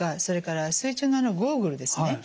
それから水中のゴーグルですね